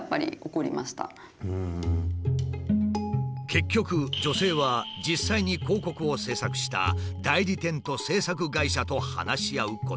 結局女性は実際に広告を制作した代理店と制作会社と話し合うことに。